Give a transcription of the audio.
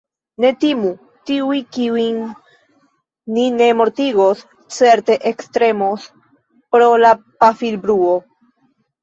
Ne timu! Tiuj, kiujn ni ne mortigos, certe ektremos pro la pafilbruo.